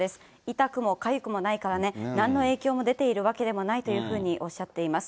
痛くもかゆくもないからね、なんの影響も出ているわけでもないというふうにおっしゃっています。